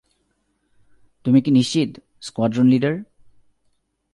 তুমি কি নিশ্চিত, স্কোয়াড্রন লিডার?